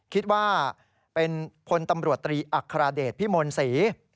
คิดว่าเป็นพลตำรวจตรีอัครเดชพิมลศรี